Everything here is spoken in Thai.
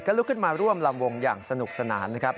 ลุกขึ้นมาร่วมลำวงอย่างสนุกสนานนะครับ